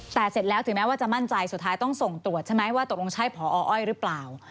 แต่เสร็จแล้วถึงแม้ว่าจะมั่นใจสุดท้ายต้องส่งตรวจใช่ไหมว่าตกลงใช่พออ้อยหรือเปล่า